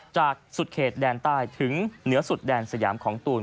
สุดเขตแดนใต้ถึงเหนือสุดแดนสยามของตูน